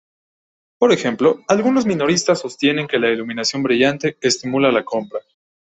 Por ejemplo, algunos minoristas sostienen que la iluminación brillante estimula la compra.